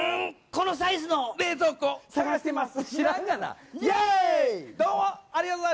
このサイズの冷蔵庫探してます。